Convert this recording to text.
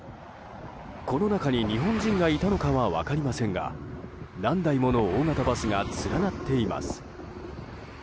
この中に日本人がいたのかは分かりませんが何台もの大型バスが連なっています。